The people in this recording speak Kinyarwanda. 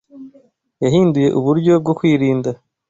Yahinduye uburyo bwo kwirinda